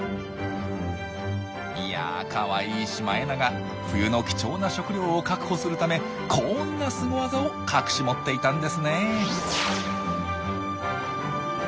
いやあかわいいシマエナガ冬の貴重な食料を確保するためこんなスゴ技を隠し持っていたんですねえ。